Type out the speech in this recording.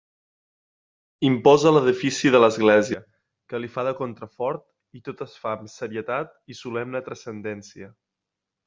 Imposa l'edifici de l'església que li fa de contrafort i tot es fa amb serietat i solemne transcendència.